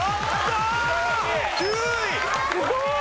すごい！